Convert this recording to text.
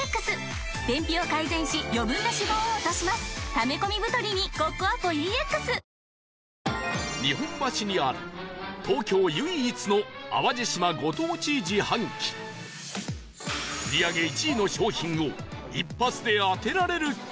立ったそれが東京海上日動日本橋にある東京唯一の淡路島ご当地自販機売り上げ１位の商品を一発で当てられるか？